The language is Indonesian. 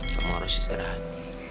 kamu harus istirahat